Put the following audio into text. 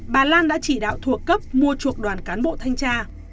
bà lan đã chỉ đạo thuộc cấp mua chuộc đoàn cán bộ thanh tra